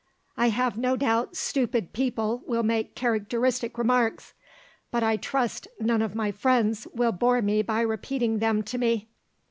"I have no doubt stupid people will make characteristic remarks, but I trust none of my friends will bore me by repeating them to me."